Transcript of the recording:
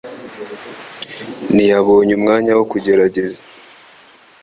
ntiyabonye umwanya wo kugerageza